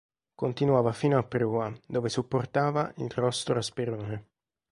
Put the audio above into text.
Continuava fino a prua, dove supportava il rostro a sperone.